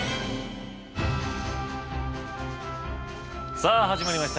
さあ始まりました。